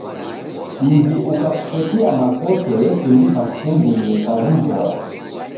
Mvi ukakakukotia makoto yekundika kutumbulie kwa w'umboa.